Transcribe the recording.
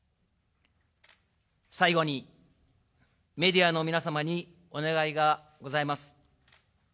最後に、メディアの皆様にお願いがございます。